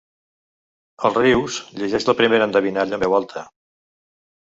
El Rius llegeix la primera endevinalla en veu alta.